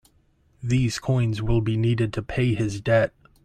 These coins will be needed to pay his debt.